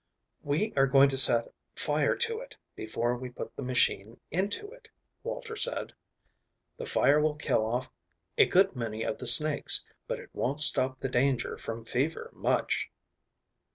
"We are going to set fire to it before we put the machine into it," Walter said. "The fire will kill off a good many of the snakes, but it won't stop the danger from fever much."